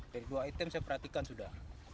dari dua item saya perhatikan sudah